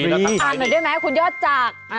อ่านหน่อยได้ไหมคุณยอดจาก